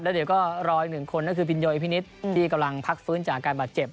เดี๋ยวก็รออีกหนึ่งคนก็คือพินโยไอพินิษฐ์ที่กำลังพักฟื้นจากอาการบาดเจ็บ